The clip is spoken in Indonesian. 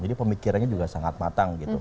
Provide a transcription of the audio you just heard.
jadi pemikirannya juga sangat matang